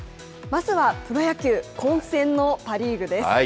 まずはプロ野球、混戦のパ・リーグです。